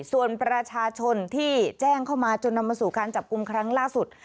ส่วนประชาชนที่แจ้งเข้ามาจนนำมาสู่การจับกลุ่มครั้งล่าสุด